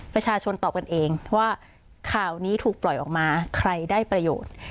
ประชาชนตอบกันเองว่าข่าวนี้ถูกปล่อยออกมาใครได้ประโยชน์